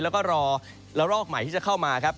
แล้วก็รอแล้วรอกหมายที่จะเข้ามาครับ